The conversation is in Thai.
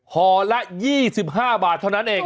ห่อละ๒๕บาทเท่านั้นเอง